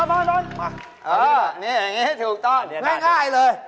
บอนมาเอาอย่างนี้ถูกต้อนง่ายเลย